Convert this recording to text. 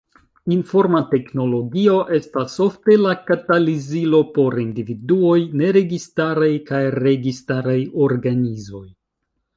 Informa teknologio estas ofte la katalizilo por individuoj, neregistaraj kaj registaraj organizoj.